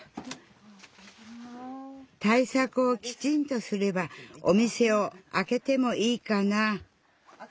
対策をきちんとすればお店をあけてもいいかな。